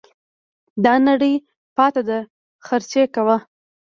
دا نړۍ پاته ده خرچې کوه